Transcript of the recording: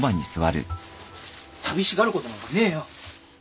寂しがることなんかねえよ。